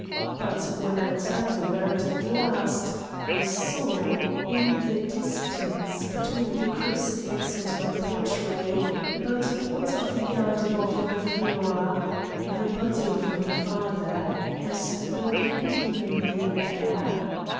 But when I turned around at last I saw in the distance, between the crucifix and my portrait, about a quarter of a yard above the floor the body of my father, as though hanging in the air.